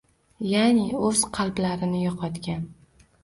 Ya’ni o‘z qalblarini yo‘qotgan